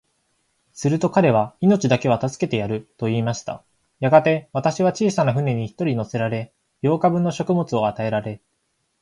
すると彼は、命だけは助けてやる、と言いました。やがて、私は小さな舟に一人乗せられ、八日分の食物を与えられ、